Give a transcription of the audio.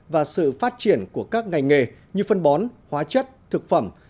và sự phát triển của các ngành nghề như phân bón hóa chất thực phẩm